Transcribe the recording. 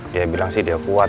dia bilang sih dia kuat